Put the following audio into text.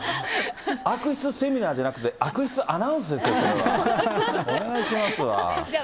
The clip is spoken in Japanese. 悪質セミナーじゃなくて、悪質アナウンスですよ、それは。